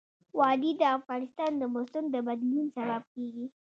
وادي د افغانستان د موسم د بدلون سبب کېږي.